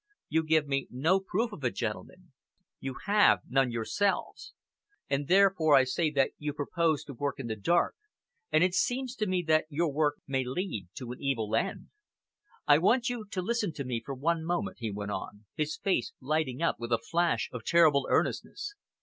You give me no proof of it, gentlemen. You have none yourselves. And therefore I say that you propose to work in the dark, and it seems to me that your work may lead to an evil end. I want you to listen to me for one moment," he went on, his face lighting up with a flash of terrible earnestness.